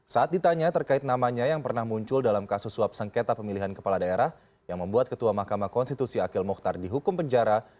saat ditanya terkait namanya yang pernah muncul dalam kasus suap sengketa pemilihan kepala daerah yang membuat ketua mahkamah konstitusi akil mukhtar dihukum penjara